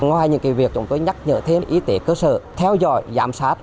ngoài những việc chúng tôi nhắc nhở thêm y tế cơ sở theo dõi giám sát